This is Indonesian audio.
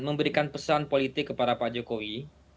memberikan pesan politik kepada pak jokowi